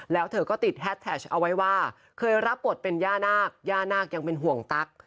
แล้วเธอก็ติดแฮดแท็กเอาไว้ว่าเคยรับบทเป็นย่านาคย่านาคยังเป็นห่วงตั๊ก